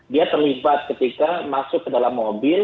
dia terlibat ketika masuk ke dalam mobil